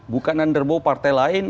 bukan nanderboh partai lain